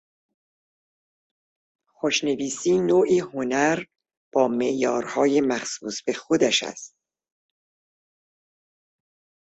خوشنویسی نوعی هنر با معیارهای مخصوص به خودش است.